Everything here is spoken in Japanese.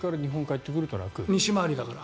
西回りだから。